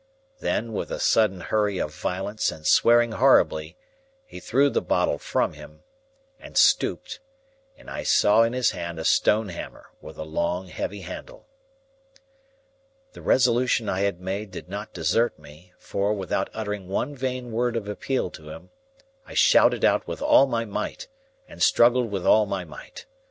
Then, with a sudden hurry of violence and swearing horribly, he threw the bottle from him, and stooped; and I saw in his hand a stone hammer with a long heavy handle. The resolution I had made did not desert me, for, without uttering one vain word of appeal to him, I shouted out with all my might, and struggled with all my might.